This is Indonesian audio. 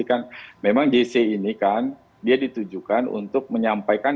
jadi kan memang gc ini kan dia ditujukan untuk menyampaikan